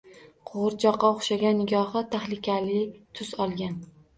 Qo‘g‘irchoqqa o‘xshagan, nigohi tahlikali tus olgan